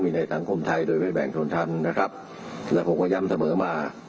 มีศาสตราจารย์พิเศษวิชามหาคุณเป็นประเทศด้านกรวมความวิทยาลัยธรม